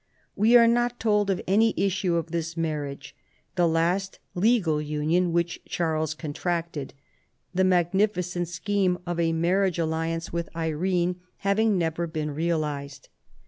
We are not told of an}' issue of this marriage, the last legal union which Charles contracted — the magnificent scheme of a marriaofe alliance with Irene havino^ never been realized.